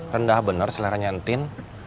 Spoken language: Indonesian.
rendah bener selera nya entin